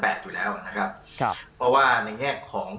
เพราะว่าในแง่ของ